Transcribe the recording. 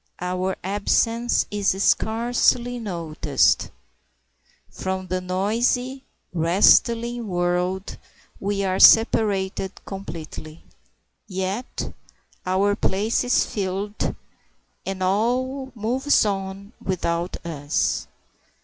Our absence is scarcely noticed. From the noisy, wrestling world we are separated completely; yet our place is filled, and all moves on without us.